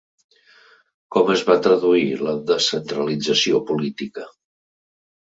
Com es va traduir la descentralització política?